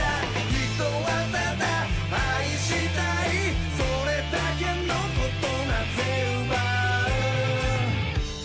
人はただ愛したいそれだけの事なぜ奪う？